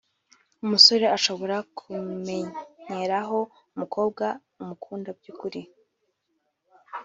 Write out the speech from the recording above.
umusore ashobora kumenyeraho umukobwa umukunda by’ukuri